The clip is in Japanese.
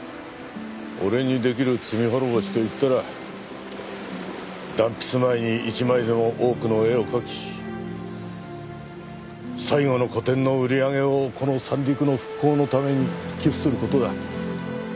俺に出来る罪滅ぼしといったら断筆前に１枚でも多くの絵を描き最後の個展の売り上げをこの三陸の復興のために寄付する事だ。